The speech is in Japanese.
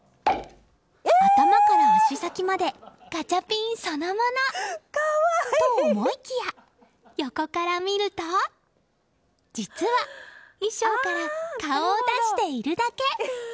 頭から足先までガチャピンそのものと思いきや横から見ると実は衣装から顔を出しているだけ。